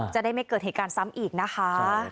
จะได้ไม่เกิดเหตุการณ์ซ้ำอีกนะคะ